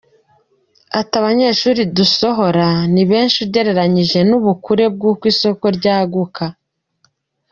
Ati “Abanyeshuri dusohora ni benshi ugereranyije n’ubukure bw’uko isoko ryaguka.